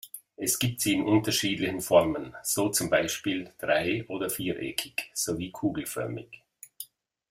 Es gibt sie in unterschiedlichen Formen, so zum Beispiel drei- oder viereckig, sowie kugelförmig.